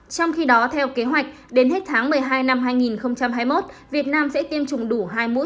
trong khi đó theo kế hoạch đến hết tháng một mươi hai năm hai nghìn hai mươi một việt nam sẽ tiêm chủng đủ hai mũi